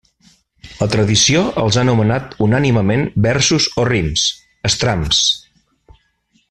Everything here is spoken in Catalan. La tradició els ha anomenat unànimement versos o rims, estramps.